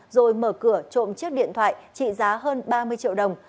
rồi mở cửa trộm chiếc điện thoại trị giá hơn ba mươi triệu đồng